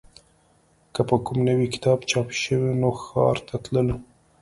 که به کوم نوی کتاب چاپ شو نو ښار ته تللو